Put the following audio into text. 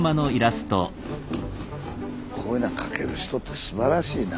スタジオこういうのが描ける人ってすばらしいな。